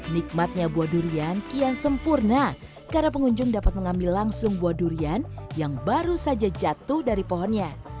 nikmatnya buah durian kian sempurna karena pengunjung dapat mengambil langsung buah durian yang baru saja jatuh dari pohonnya